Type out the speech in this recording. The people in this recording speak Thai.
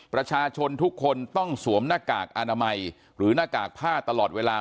ประชาชนทุกคนต้องสวมหน้ากากอนามัยหรือหน้ากากผ้าตลอดเวลา